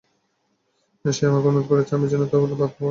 সে আমাকে অনুরোধ করেছে আমি যেনো তোর ভাগ্য বদলে দেই।